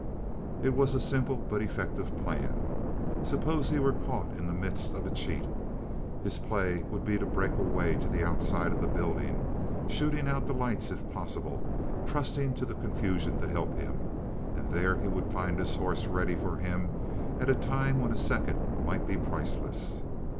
It was a simple but effective plan. Suppose he were caught in the midst of a cheat; his play would be to break away to the outside of the building, shooting out the lights, if possible trusting to the confusion to help him and there he would find his horse held ready for him at a time when a second might be priceless.